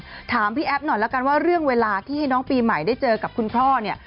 ถามพี่แอฟหน่อยแล้วกันว่าเรื่องเวลาที่ให้น้องปีใหม่ได้เจอกับคุณพ่อเนี่ย